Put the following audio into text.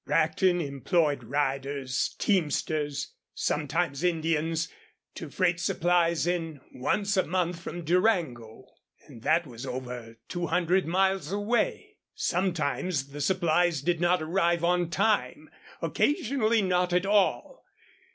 Brackton employed riders, teamsters, sometimes Indians, to freight supplies in once a month from Durango. And that was over two hundred miles away. Sometimes the supplies did not arrive on time occasionally not at all.